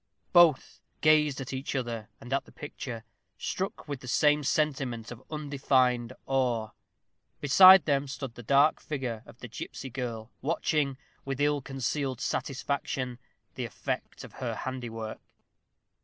Both gazed at each other and at the picture, struck with the same sentiment of undefined awe. Beside them stood the dark figure of the gipsy girl, watching, with ill concealed satisfaction, the effect of her handiwork.